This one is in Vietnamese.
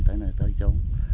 tới nơi tới chỗ